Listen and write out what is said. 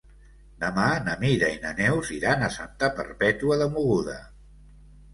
Demà na Mira i na Neus iran a Santa Perpètua de Mogoda.